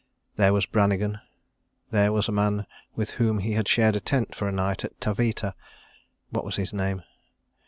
... There was Brannigan. ... There was a man with whom he had shared a tent for a night at Taveta. ... What was his name?